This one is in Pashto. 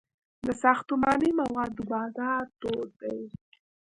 د ساختماني موادو بازار تود دی